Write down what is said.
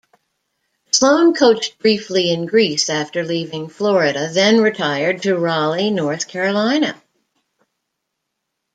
Sloan coached briefly in Greece after leaving Florida, then retired to Raleigh, North Carolina.